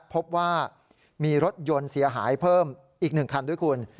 พบว่ามีรถยนต์เสียหายเพิ่มอีก๑คันด้วยคุณ